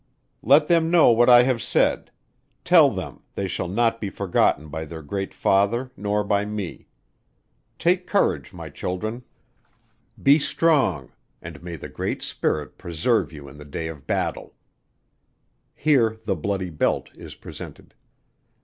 Let them know what I have said. Tell them they shall not be forgotten by their great father nor by me. Take courage my children be strong and may the Great Spirit preserve you in the day of battle." (Here the bloody belt is presented.)